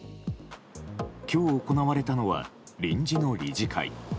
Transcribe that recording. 今日行われたのは臨時の理事会。